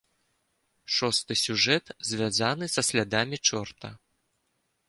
Шосты сюжэт звязаны са слядамі чорта.